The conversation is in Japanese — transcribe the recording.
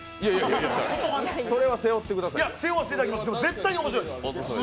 いやいや、それは背負ってくださいよ。